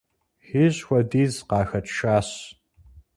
ХищӀ хуэдиз къахэтшащ.